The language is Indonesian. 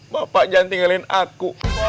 bapak jangan tinggalin aku